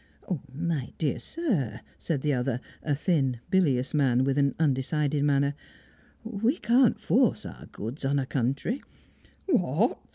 "My dear sir," said the other, a thin, bilious man, with an undecided manner, "we can't force our goods on a country " "What!